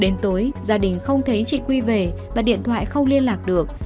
đến tối gia đình không thấy chị quy về và điện thoại không liên lạc được